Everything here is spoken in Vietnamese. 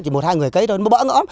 chỉ một hai người cấy thôi nó bỡ ngỡm